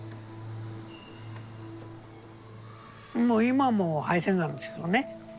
もう今も肺線がんなんですけどね。